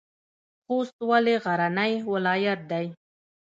خوست ولې غرنی ولایت دی؟